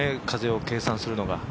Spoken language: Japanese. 風を計算するのが。